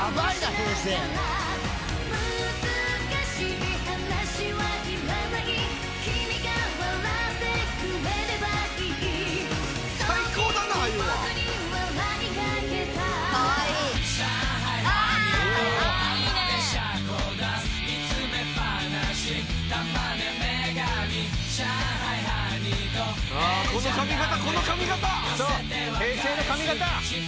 平成の髪形！